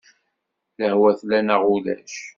Lehwa tella neɣ ulac?